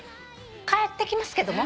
買ってきますけども。